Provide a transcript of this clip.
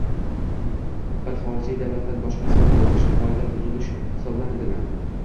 bir xorijiy davlatdan boshqasiga borish qoida buzilish hisoblanadimi?